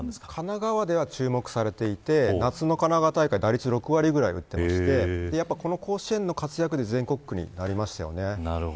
神奈川では注目されていて夏の神奈川大会、打率６割ぐらい打っていてこの甲子園の活躍で全国区になりましたね。